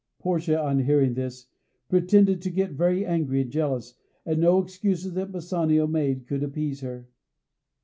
Portia, on hearing this, pretended to get very angry and jealous, and no excuses that Bassanio made could appease her.